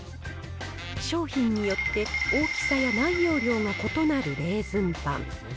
商品によって大きさや内容量が異なるレーズンパン。